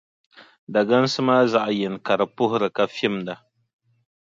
Dagansi maa zaɣʼ yini ka di puhiri ka fimda.